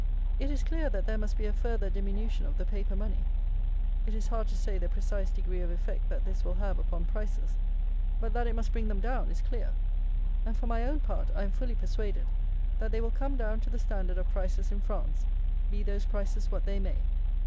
It is clear that there must be a farther diminution of the paper money. It is hard to say the precise degree of effect that this will have upon prices; but that it must bring them down is clear; and, for my own part, I am fully persuaded, that they will come down to the standard of prices in France, be those prices what they may.